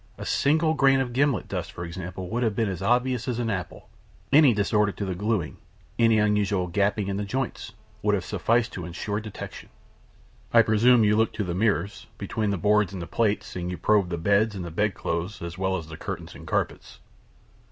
A single grain of gimlet dust, for example, would have been as obvious as an apple. Any disorder in the gluing any unusual gaping in the joints would have sufficed to insure detection." "I presume you looked to the mirrors, between the boards and the plates, and you probed the beds and the bedclothes, as well as the curtains and carpets."